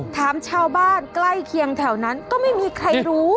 ถามชาวบ้านใกล้เคียงแถวนั้นก็ไม่มีใครรู้